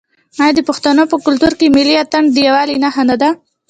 آیا د پښتنو په کلتور کې ملي اتن د یووالي نښه نه ده؟